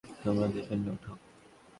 তোমরা দুজনে ওঠো।